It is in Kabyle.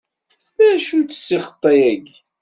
D acu-tt ssixṭa-agi?